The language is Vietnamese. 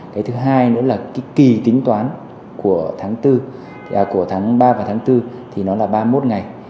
cái thứ hai nữa là cái kỳ tính toán của tháng ba và tháng bốn thì nó là ba mươi một ngày